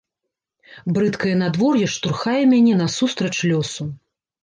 Брыдкае надвор'е штурхае мяне насустрач лёсу.